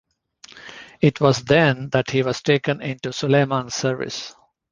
It was then that he was taken into Suleiman's service.